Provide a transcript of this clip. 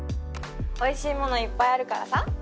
おいしいものいっぱいあるからさ。